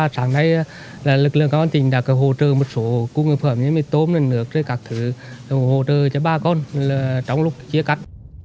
trong lúc chia cắt